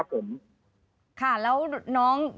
ใช่ครับผม